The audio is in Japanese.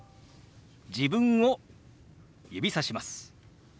自分を指さします。